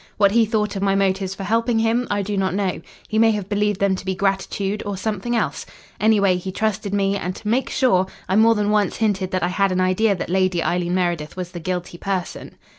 What he thought of my motives for helping him, I do not know he may have believed them to be gratitude, or something else. Anyway, he trusted me, and to make sure, I more than once hinted that I had an idea that Lady Eileen Meredith was the guilty person.